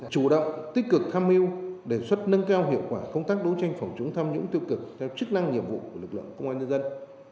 chủ động tích cực tham mưu đề xuất nâng cao hiệu quả công tác đấu tranh phòng chống tham nhũng tiêu cực theo chức năng nhiệm vụ của lực lượng công an nhân dân